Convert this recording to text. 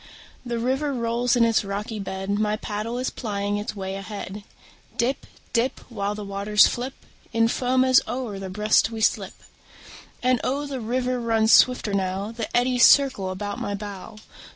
The river rolls in its rocky bed; My paddle is plying its way ahead; Dip, dip, While the waters flip In foam as over their breast we slip. And oh, the river runs swifter now; The eddies circle about my bow.